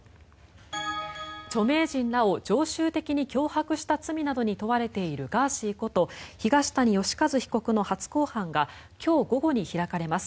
著名人らを常習的に脅迫した罪などに問われているガーシーこと東谷義和被告の初公判が今日午後に開かれます。